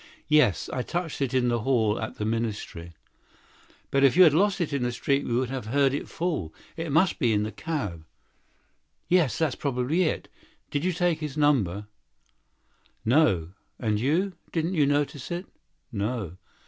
"Yes, I felt it in the vestibule of the minister's house." "But if you had lost it in the street we should have heard it fall. It must be in the cab." "Yes, probably. Did you take his number?" "No. And you—didn't you notice it?" "No."